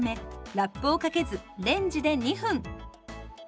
ラップをかけずレンジで２分。